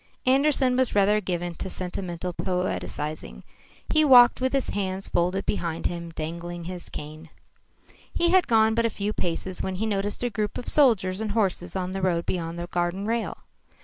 Andersen was rather given to sentimental poetising. He walked with his hands folded behind him, dangling his cane. He had gone but a few paces when he noticed a group of soldiers and horses on the road beyond the garden rail.